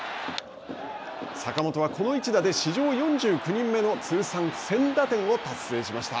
坂本はこの一打で史上４９人目の通算１０００打点を達成しました。